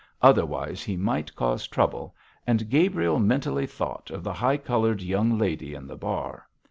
Otherwise he might cause trouble, and Gabriel mentally thought of the high coloured young lady in the bar.